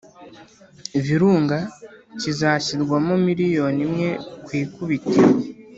Virunga, kizashyirwamo miliyoni imwe ku ikubitiro.